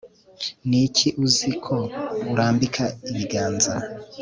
Ni iki uzi aho urambika ibiganza